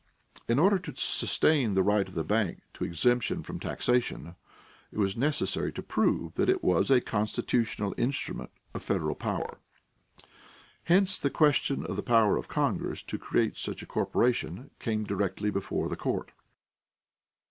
In order to sustain the right of the bank to exemption from taxation, it was necessary to prove that it was a constitutional instrument of federal power. Hence the question of the power of Congress to create such a corporation came directly before the court.